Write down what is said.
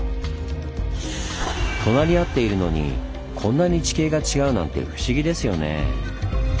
隣り合っているのにこんなに地形が違うなんて不思議ですよねぇ。